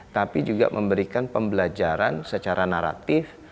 tapi juga memberikan pembelajaran secara naratif